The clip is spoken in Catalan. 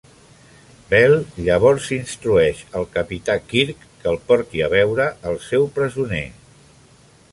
Bele llavors instrueix al capità Kirk que el porti a veure el seu "presoner".